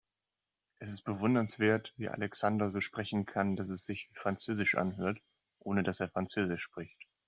Es ist bewundernswert, wie Alexander so sprechen kann, dass es sich wie französisch anhört, ohne dass er französisch spricht.